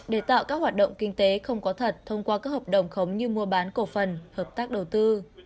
để tạo các hoạt động kinh tế không có thật thông qua các hợp đồng khống như mua bán cổ phần hợp tác đầu tư